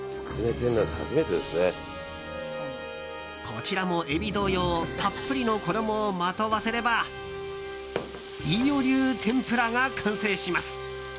こちらもエビ同様たっぷりの衣をまとわせれば飯尾流天ぷらが完成します。